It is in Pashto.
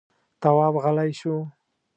تواب غلی شو.